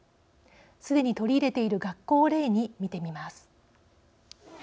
すでに取り入れている学校を例に見てみます。